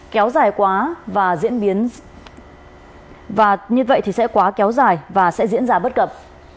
kéo dài quá và diễn biến và như vậy thì sẽ quá kéo dài và sẽ diễn ra bất cập